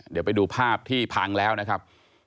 เดี๋ยวไปดูภาพที่พังแล้วนะครับ